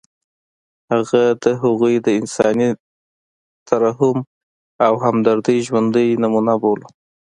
هغه د هغوی د انساني ترحم او همدردۍ ژوندۍ نمونه بولو.